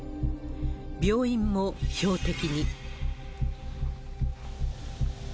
病院も標的に。